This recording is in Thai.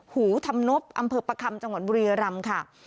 หูธรรมนบอำเภอประคำจังหวัดบุรียรำค่ะ